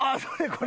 これ。